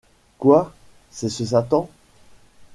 Quoi ! c’est ce satan !